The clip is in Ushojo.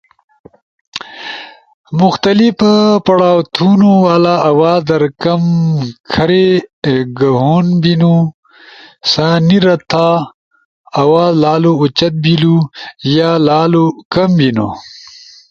مختلف پڑھاؤ تھونُو والا آواز در کم کھری گہون بیِنُو۔ سنے رد تھا آواز لالو اُوچت بیلو یا لالا کم بینُو۔